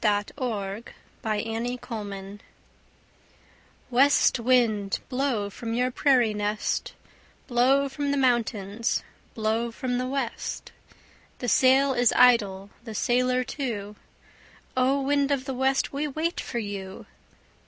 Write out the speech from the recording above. THE SONG MY PADDLE SINGS West wind, blow from your prairie nest, Blow from the mountains, blow from the west. The sail is idle, the sailor too; O! wind of the west, we wait for you.